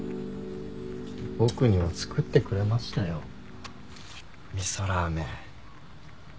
僕には作ってくれましたよ味噌ラーメン。